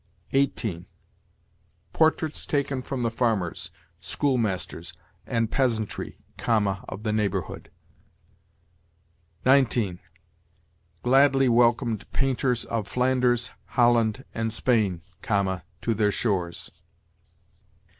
18. ' portraits taken from the farmers, schoolmasters, and peasantry(,) of the neighborhood.' 19. ' gladly welcomed painters of Flanders, Holland, and Spain(,) to their shores.'